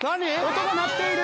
音が鳴っている！